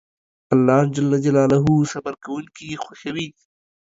الله جل جلاله صبر کونکي خوښوي